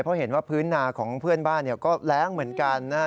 เพราะเห็นว่าพื้นนาของเพื่อนบ้านก็แรงเหมือนกันนะครับ